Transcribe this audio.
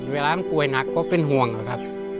เวลามันป่วยหนักก็เป็นห่วงนะครับ